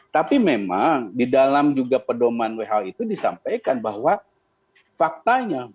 tapi memang di dalam juga pedoman who itu disampaikan bahwa faktanya